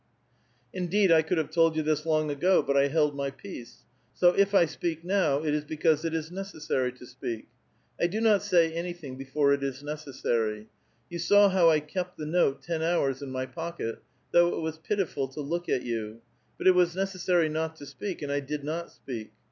ludeeii, I could have told vou this long ago, but I held my peace. So if I speak now, it is because it is necessary to speak. I do not say anything before it is necessary. You saw how I kept the note ten hours in m}* pocket, though it was pitiful to look at you ; but it was necessary not to speak, and I did not speak.